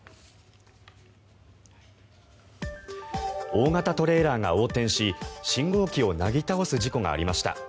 大型トレーラーが横転し信号機をなぎ倒す事故がありました。